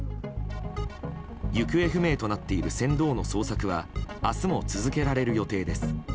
行方不明となっている船頭の捜索は明日も続けられる予定です。